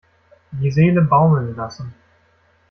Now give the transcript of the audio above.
Die Seele baumeln lassen.